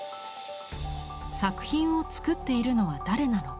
「作品を作っているのは誰なのか」。